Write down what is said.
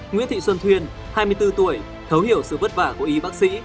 nguyễn thị xuân thuyền hai mươi bốn tuổi thấu hiểu sự vất vả của ý bác sĩ